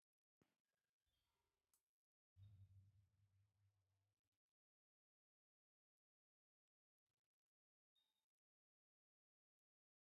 Another significant environmental consideration in rubber production is the processing and manufacturing stages.